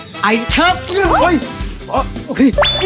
นี่แค่นี้ไปนอนโรงพยาบาลแกกล้าไปกล่องอีหนูเลยเหรอ